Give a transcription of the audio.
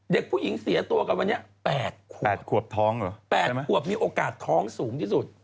เด็กผู้หญิงเสียตัวกันวันนี้๘ขวบมีโอกาสท้องสูงที่สุด